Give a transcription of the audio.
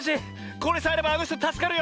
これさえあればあのひとたすかるよ！